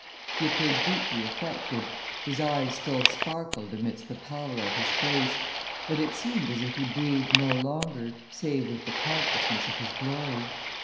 He appeared deeply affected, his eyes still sparkled amidst the pallor of his face, but it seemed as if he breathed no longer save with the consciousness of his glory.